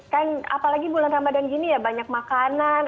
kan apalagi bulan ramadhan gini ya banyak makanan